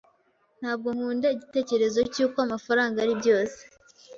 Ntabwo nkunda igitekerezo cy'uko amafaranga ari byose.